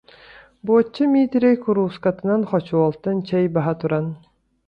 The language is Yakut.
Буочча Миитэрэй куруускатынан хочуолтан чэй баһа туран